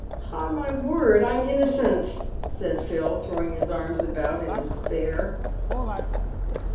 " 'Pon my word, I am inno cent," said Phil, throwing his arms about in despair.